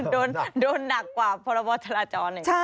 โดนหนักกว่าพลบทราจร